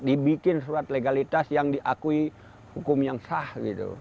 dibikin surat legalitas yang diakui hukum yang sah gitu